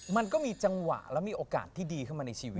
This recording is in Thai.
มันก็มีจังหวะและมีโอกาสที่ดีเข้ามาในชีวิต